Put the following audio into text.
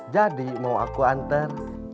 jadi mau aku antar